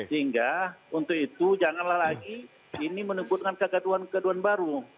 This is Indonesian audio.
sehingga untuk itu janganlah lagi ini menemukan kegaduhan kegaduan baru